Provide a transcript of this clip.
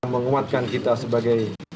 menguatkan kita sebagai